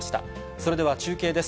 それでは中継です。